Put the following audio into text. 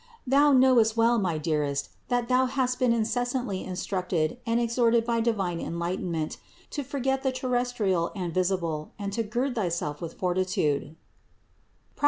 Thou knowest well, my dearest, that thou hast been incessantly instructed and exhorted by divine en lightenment to forget the terrestrial and visible and to gird thyself with fortitude (Prov.